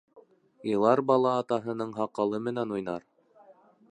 Илар бала атаһының һаҡалы менән уйнар